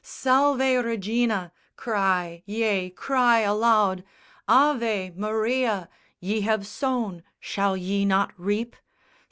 SALVE REGINA, cry, yea, cry aloud. AVE MARIA! Ye have sown: shall ye not reap?